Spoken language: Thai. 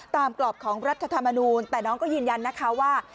กรอบของรัฐธรรมนูลแต่น้องก็ยืนยันนะคะว่า